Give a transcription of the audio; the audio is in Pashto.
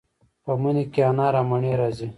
په مني کې انار او مڼې راځي.